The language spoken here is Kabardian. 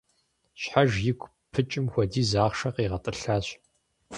Щхьэж игу пыкӏым хуэдиз ахъшэ къигъэтӏылъащ.